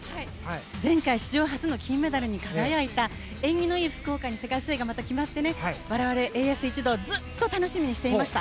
前回史上初の金メダルに輝いた縁起のいい福岡に世界水泳がまた決まって我々、ＡＳ一同ずっと楽しみにしていました。